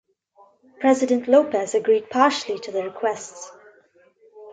President López agreed partially to the requests.